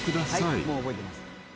はいもう覚えてます。